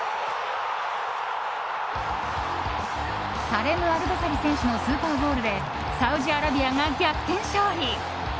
サレム・アルドサリ選手のスーパーゴールでサウジアラビアが逆転勝利！